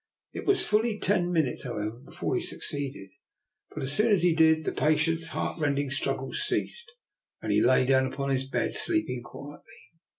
It was fully ten minutes, however, before he suc ceeded; but as soon as he did, the patient's heartrending struggles ceased, and he lay down upon his bed sleeping quietly.